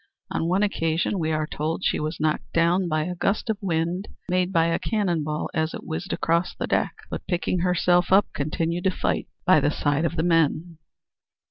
On one occasion, we are told, she was knocked down by a gust of wind made by a cannon ball as it whizzed across the deck, but picking herself up continued to fight by the side of the men.